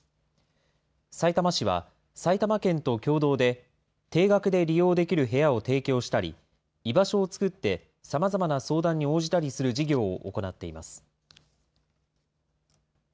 さいたま市は、埼玉県と共同で、低額で利用できる部屋を提供したり、居場所を作って、さまざまな相談に応じたりする事業を行っています。